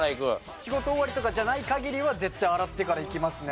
仕事終わりとかじゃない限りは絶対洗ってから行きますね。